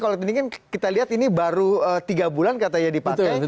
kalau ini kan kita lihat ini baru tiga bulan katanya dipakai